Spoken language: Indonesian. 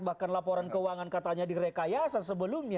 bahkan laporan keuangan katanya direkayasa sebelumnya